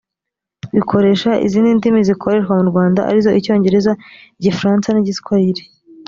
bikoresha izindi ndimi zikoreshwa mu rwanda arizo icyongereza igifaransa n igiswahili